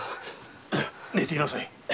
寝ていなさい。